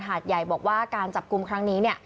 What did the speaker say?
หาดใหญ่บอกว่าการจับกุมครั้งนี้